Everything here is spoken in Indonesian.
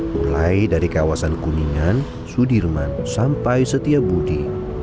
mulai dari kawasan kuningan sudirman sampai setiabudi